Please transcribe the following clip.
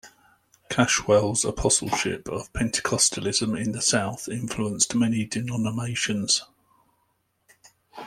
Cashwell's apostleship of Pentecostalism in the south influenced many denominations.